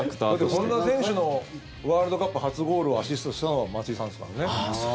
本田選手のワールドカップ初ゴールをアシストしたのは松井さんですからね。